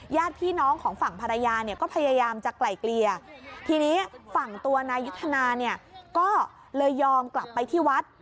ญาติพี่น้องของฝั่งภรรยาเนี่ยก็พยายามจะไกลเกลี่ยทีนี้ฝั่งตัวนายยุทธนาเนี่ยก็เลยยอมกลับไปที่วัด